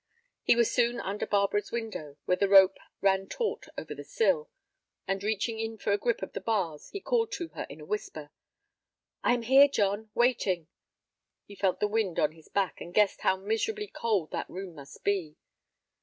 He was soon under Barbara's window, where the rope ran taut over the sill, and, reaching in for a grip of the bars, he called to her in a whisper. "I am here, John, waiting." He felt the wind on his back, and guessed how miserably cold that room must be.